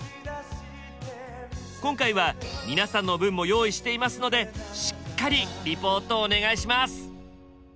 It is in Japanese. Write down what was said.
今回は皆さんの分も用意していますのでしっかりリポートお願いします。